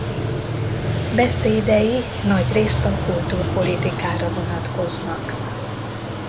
Beszédei nagyrészt a kultúrpolitikára vonatkoznak.